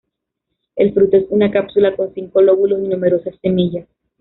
El fruto es una cápsula con cinco lóbulos y numerosas semillas.